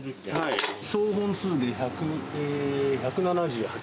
総本数で１７８。